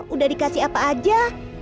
udah dikasih apa aja